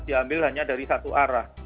diambil hanya dari satu arah